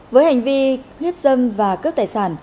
với hành vi hiếp dâm và cướp tài sản